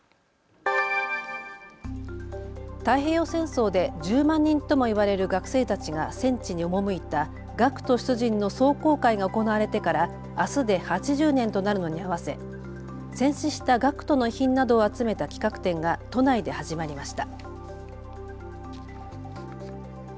太平洋戦争で１０万人ともいわれる学生たちが戦地に赴いた学徒出陣の壮行会が行われてからあすで８０年となるのに合わせ戦死した学徒の遺品などを集めた企画展が都内で始まりました。